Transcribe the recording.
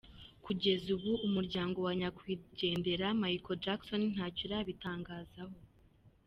Kugeza ubu umuryango wa Nyakwigendera Michael Jackson ntacyo urabitangazaho.